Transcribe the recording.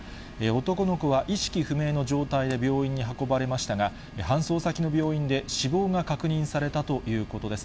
男の子は意識不明の状態で病院に運ばれましたが、搬送先の病院で死亡が確認されたということです。